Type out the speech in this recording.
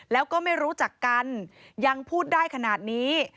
แล้วก็ไม่รู้จักกันยังพูดได้ขนาดนี้